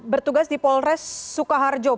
bertugas di polres sukaharjo